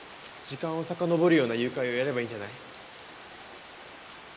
時間をさかのぼるような誘拐をやればいいんじゃない？